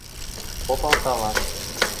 — Попалталаш.